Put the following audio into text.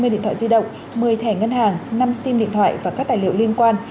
điện thoại di động một mươi thẻ ngân hàng năm sim điện thoại và các tài liệu liên quan